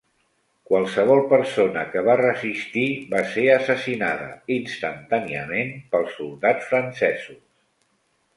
Qualsevol persona que va resistir va ser assassinada instantàniament pels soldats francesos.